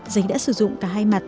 giấy đã sử dụng cả hai mặt